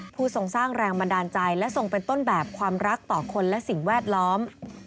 ทรงสร้างแรงบันดาลใจและทรงเป็นต้นแบบความรักต่อคนและสิ่งแวดล้อม